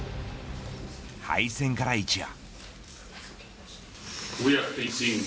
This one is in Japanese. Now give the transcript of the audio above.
敗戦から一夜。